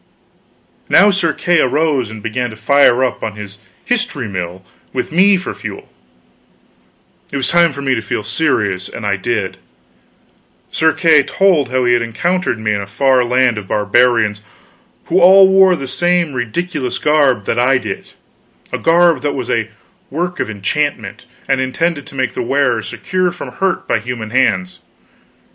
Now Sir Kay arose and began to fire up on his history mill with me for fuel. It was time for me to feel serious, and I did. Sir Kay told how he had encountered me in a far land of barbarians, who all wore the same ridiculous garb that I did a garb that was a work of enchantment, and intended to make the wearer secure from hurt by human hands.